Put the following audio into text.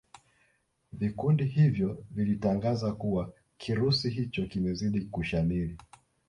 vikiundi hivyo vilitangaza kuwa kirusi hicho kimezidi kushamili